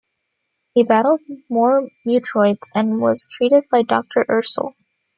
He battled more mutroids, and was treated by Doctor Ursell.